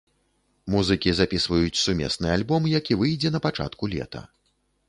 Музыкі запісваюць сумесны альбом, які выйдзе на пачатку лета.